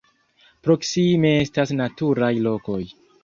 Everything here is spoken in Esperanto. Proksime estas naturaj lokoj.